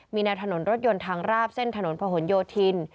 มีแนวถนนรถยนต์ทางราบเส้นถนนพะหนโยธิน